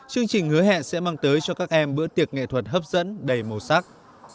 chương trình hứa hẹn sẽ mang tới cho các em bữa tiệc nghệ thuật hấp dẫn đầy màu sắc